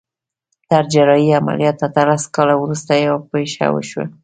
تر جراحي عمليات اتلس کاله وروسته يوه پېښه وشوه.